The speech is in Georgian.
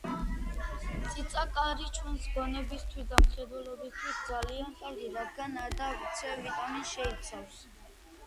ფინალურ მატჩში დამატებითი დროის მიწურულს გაიტანა მატჩის ერთადერთი გოლი და დასახელდა ფინალის საუკეთესო ფეხბურთელად.